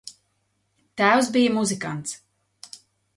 Tēvs bija muzikants.